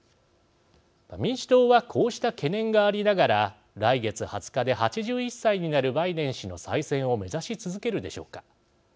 民主党はこうした懸念がありながら来月２０日で８１歳になるバイデン氏の再選を目指し続けるでしょうか。